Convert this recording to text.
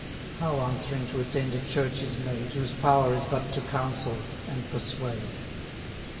490 How answering to its end a Church is made, Whose power is but to counsel and persuade?